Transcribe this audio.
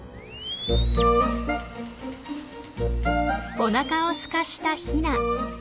おなかをすかしたヒナ。